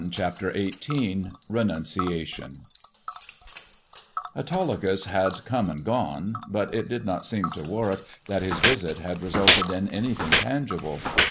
CHAPTER XVIII RENUNCIATION AUTOLYCUS had come and gone ; but it did not seem to Warwick that his visit had resulted in anything tangible.